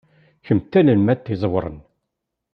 Kem d tanelmadt iẓewren.